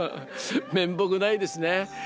面目ないですね。